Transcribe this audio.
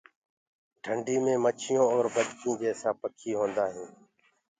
ڍنڊي مي مڇيونٚ اور بدڪينٚ جيسآ پکي هوندآ هينٚ۔